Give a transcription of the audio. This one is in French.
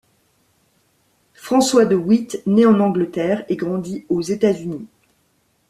François de Witt naît en Angleterre et grandit aux États-Unis.